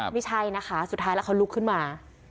ไม่ใช่นะคะสุดท้ายแล้วเขาลุกขึ้นมา